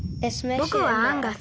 ぼくはアンガス。